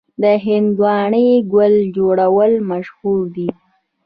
د هندواڼې ګل جوړول مشهور دي.